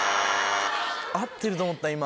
合ってると思った今。